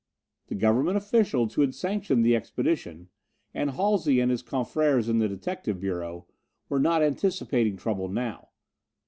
The Government officials who had sanctioned the expedition and Halsey and his confrères in the Detective Bureau were not anticipating trouble now.